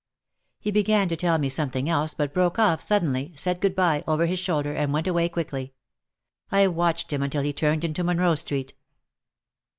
He began to tell me something else but broke off sud denly, said "good bye" over his shoulder and went away quickly. I watched him until he turned into Monroe Street.